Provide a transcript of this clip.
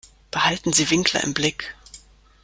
Behalten Sie Winkler im Blick.